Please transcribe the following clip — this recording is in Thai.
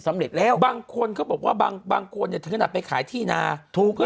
สำเร็จแล้วบางคนเขาบอกว่าบางคนจะถึงตัดไปขายที่นาถูก